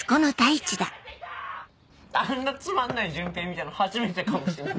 あんなつまんない潤平見たの初めてかもしんない。